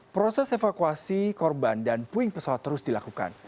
proses evakuasi korban dan puing pesawat terus dilakukan